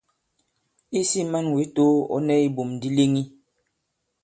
Isī man wě too, ɔ̌ nɛ ibum di leŋi.